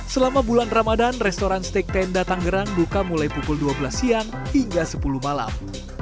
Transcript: selama bulan ramadan restoran steak tenda tangerang buka mulai pukul dua belas siang hingga sepuluh malam